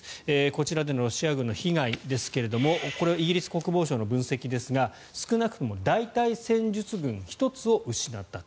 こちらでのロシア軍の被害ですがこれはイギリス国防省の分析ですが少なくとも大隊戦術群１つを失った。